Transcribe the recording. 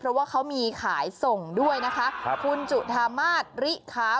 เพราะว่าเขามีขายส่งด้วยนะคะครับคุณจุธามาศริคา